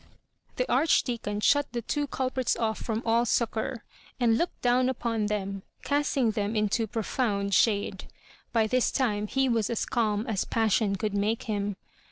The Archdeacon diut the two culprits off from all succour, and looked down upon them, cast ing them mto profound shade. By this time he was as calm as passion oould make him.